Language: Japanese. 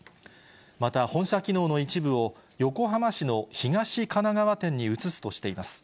また本社機能の一部を、横浜市の東神奈川店に移すとしています。